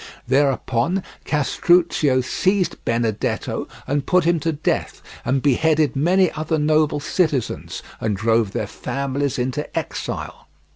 Thereupon Castruccio seized Benedetto and put him to death, and beheaded many other noble citizens, and drove their families into exile.